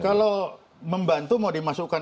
kalau membantu mau dimasukkan